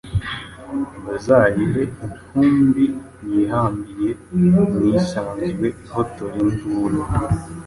bazayihe intumbi yihambire ni isanzwe ihotora induru